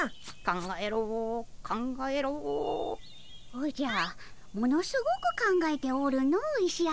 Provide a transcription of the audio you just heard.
おじゃものすごく考えておるの石頭。